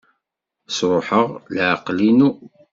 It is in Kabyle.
Sṛuḥeɣ leɛqel-inu.